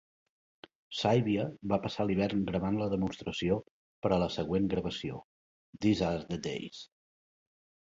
Saybia va passar l'hivern gravant la demostració per a la següent gravació "These are the days".